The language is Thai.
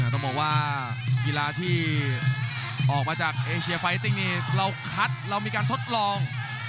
ต้องบอกว่ากีฬาที่ออกมาจากเอเชียไฟติ้งนี่เราคัดเรามีการทดลอง